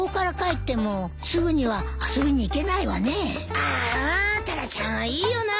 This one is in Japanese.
あーあタラちゃんはいいよな。